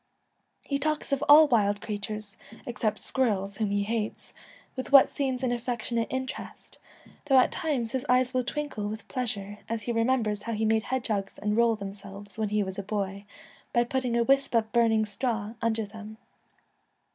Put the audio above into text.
He talks of all wild crea tures except squirrels — whom he hates — with what seems an affectionate interest, though at times his eyes will twinkle with pleasure as he remembers how he made hedgehogs unroll themselves when he was a boy, by putting a wisp of burning straw under them.